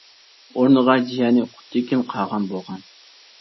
ئورنىغا جىيەنى قۇت تېكىن قاغان بولغان.